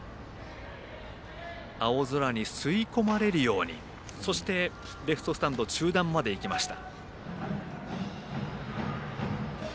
青空に吸い込まれるようにそして、レフトスタンド中段までいきました。